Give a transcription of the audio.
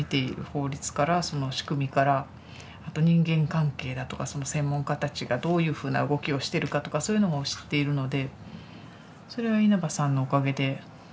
法律からその仕組みからあと人間関係だとかその専門家たちがどういうふうな動きをしてるかとかそういうのも知っているのでそれは稲葉さんのおかげで。